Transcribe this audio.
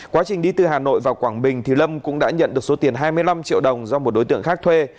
quá trình đi từ hà nội vào quảng bình thì lâm cũng đã nhận được số tiền hai mươi năm triệu đồng do một đối tượng khác thuê